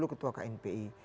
dulu ketua knpi